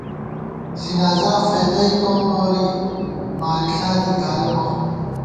ځنازا فېدَئیتون نوری مارِݪا دی گالہ بہ